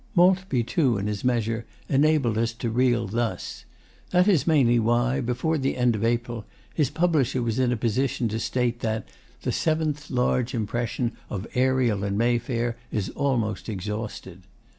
Maltby, too, in his measure, enabled us to reel thus. That is mainly why, before the end of April, his publisher was in a position to state that 'the Seventh Large Impression of "Ariel in Mayfair" is almost exhausted.